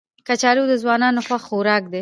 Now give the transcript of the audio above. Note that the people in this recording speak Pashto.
کچالو د ځوانانو خوښ خوراک دی